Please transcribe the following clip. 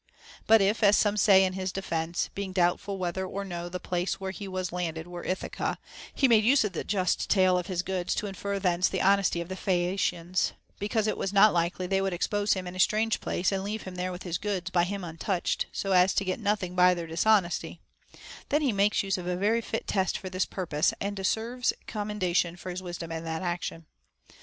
But if, as some say in his defence, being doubtful whether or no the place where he was landed were Ithaca, he made use of the just tale of his goods to infer thence the honesty of the Phaeacians, — be cause it was not likely they would expose him in a strange place and leave him there with his goods by him untouched, so as to get nothing by their dishonesty, — then he makes use of a very fit test for this purpose, and deserves com mendation for his wisdom in that action.